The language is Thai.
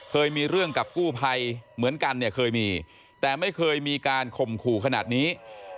เคยมีเรื่องกับกู้ภัยเหมือนกันเนี่ยเคยมีแต่ไม่เคยมีการข่มขู่ขนาดนี้